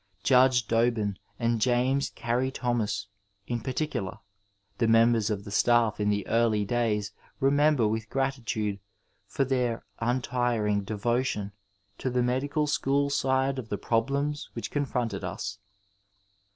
Judge Dobbin and James Oarey Thonoas, in particular, the members of the staff in the early days remember with grati tude for their untiring devotion to the medical school side of the problems which ocnlronted us.